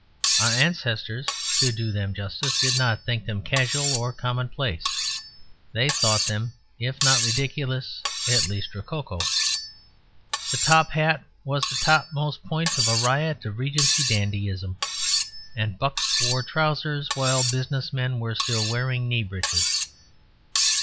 Our ancestors, to do them justice, did not think them casual or commonplace; they thought them, if not ridiculous, at least rococo. The top hat was the topmost point of a riot of Regency dandyism, and bucks wore trousers while business men were still wearing knee breeches.